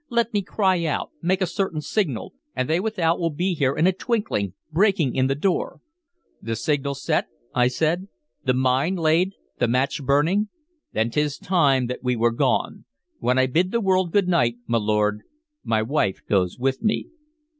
"Let me cry out, make a certain signal, and they without will be here in a twinkling, breaking in the door" "The signal set?" I said. "The mine laid, the match burning? Then 't is time that we were gone. When I bid the world good night, my lord, my wife goes with me."